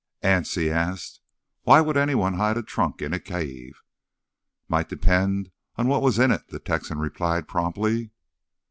"Anse," he asked, "why would anyone hide a trunk in a cave?" "Might depend on what was in it," the Texan replied promptly.